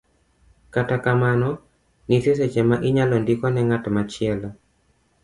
Kata kamano, nitie seche ma inyalo ndiko ne ng'at machielo,